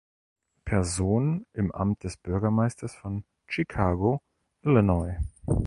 Person im Amt des Bürgermeisters von Chicago (Illinois).